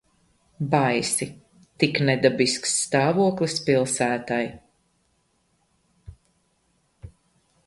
Baisi. Tik nedabisks stāvoklis pilsētai.